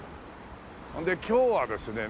ほんで今日はですね